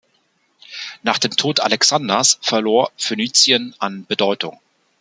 Nach dem Tod Alexanders verlor Phönizien an Bedeutung.